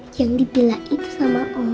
yang dibelak itu sama om